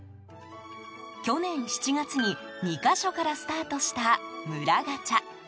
去年７月に、２か所からスタートした村ガチャ。